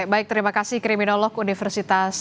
baik terima kasih kriminolog universitas